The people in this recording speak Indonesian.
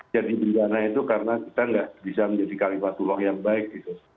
jadi bencana itu karena kita tidak bisa menjadi kalimatullah yang baik